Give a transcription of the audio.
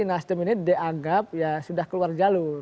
nasdem ini dianggap ya sudah keluar jalur